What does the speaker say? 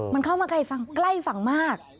มันเข้ามาใกล้ฝั่งมาก